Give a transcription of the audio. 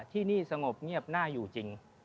ที่นี่สงบเงียบน่าอยู่จริง